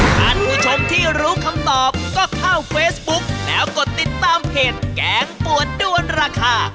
ท่านผู้ชมที่รู้คำตอบก็เข้าเฟซบุ๊กแล้วกดติดตามเพจแกงปวดด้วนราคา